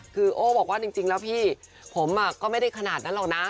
คือโอ้บอกว่าจริงแล้วพี่ผมก็ไม่ได้ขนาดนั้นหรอกนะ